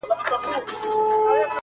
پیدا کړی چي خدای تاج او سلطنت دی-